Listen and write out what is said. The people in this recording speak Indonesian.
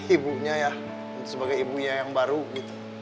ibu nya ya sebagai ibu nya yang baru gitu